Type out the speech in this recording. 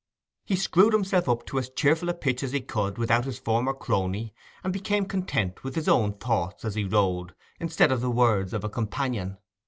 He screwed himself up to as cheerful a pitch as he could without his former crony, and became content with his own thoughts as he rode, instead of the words of a companion.